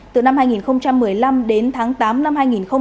từ năm hai nghìn một mươi năm đến tháng tám năm hai nghìn một mươi chín